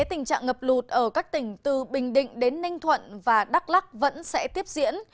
tình trạng ngập lụt ở các tỉnh từ bình định đến ninh thuận và đắk lắc vẫn sẽ tiếp diễn